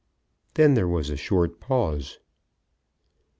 Then there was a short pause.